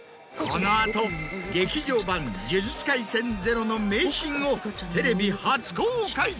この後『劇場版呪術廻戦０』の名シーンをテレビ初公開。